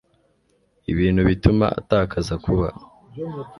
IBINTU BITUMA ATAKAZA KUBA